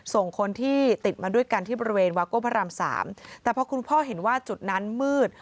ส่งคนที่ติดมาด้วยกันที่บริเวณวาโก้พระรามสามแต่พอคุณพ่อเห็นว่าจุดนั้นมืด